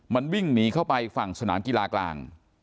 มันวิ่งหนีเข้าไปฝั่งสนามกีฬากลาง